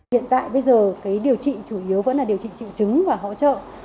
hiện tại bây giờ điều trị chủ yếu vẫn là điều trị trị trứng và hỗ trợ